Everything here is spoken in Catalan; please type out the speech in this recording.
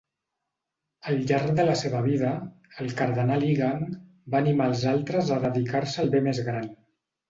Al llarg de la seva vida, el cardenal Egan va animar als altres a dedicar-se al bé més gran.